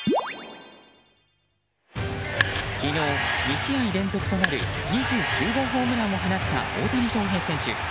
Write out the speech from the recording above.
昨日、２試合連続となる２９号ホームランを放った大谷翔平選手。